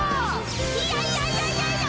いやいやいやいやいや！